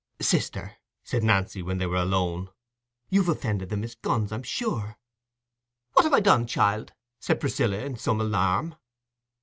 "Sister," said Nancy, when they were alone, "you've offended the Miss Gunns, I'm sure." "What have I done, child?" said Priscilla, in some alarm.